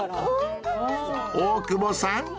大久保さん！